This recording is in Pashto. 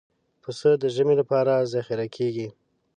پسه د ژمي لپاره ذخیره کېږي.